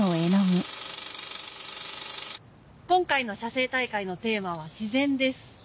今回の写生大会のテーマは「自然」です。